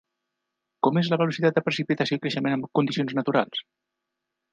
Com és la velocitat de precipitació i creixement en condicions naturals?